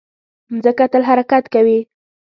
مځکه تل حرکت کوي.